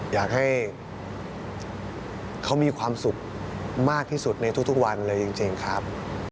อยากให้เขามีความสุขมากที่สุดในทุกวันเลยจริงครับ